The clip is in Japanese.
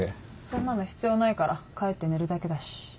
そんなの必要ないから帰って寝るだけだし。